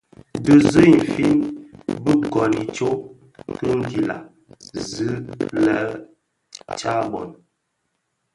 Dhi zi I nfin bi gōn itsok ki nguila zi I tsaboň.